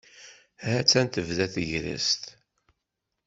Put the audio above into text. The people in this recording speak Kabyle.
Hattan tebda tegrest.